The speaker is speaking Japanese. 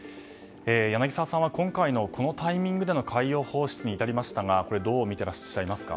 柳澤さんは今回のこのタイミングでの海洋放出に至りましたがこれ、どう見ていらっしゃいますか？